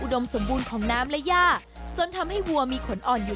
สมบูรณ์ของน้ำและย่าจนทำให้วัวมีขนอ่อนอยู่